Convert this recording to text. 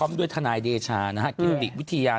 กับคุณหนุนกันนับหนุนกันนเดชา